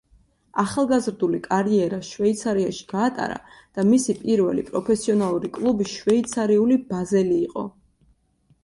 ახალგაზრდული კარიერა შვეიცარიაში გაატარა და მისი პირველი პროფესიონალური კლუბი შვეიცარიული „ბაზელი“ იყო.